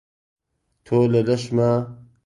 تۆ لە لەشما